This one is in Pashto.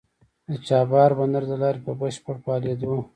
د چابهار بندر د لارې په بشپړ فعالېدو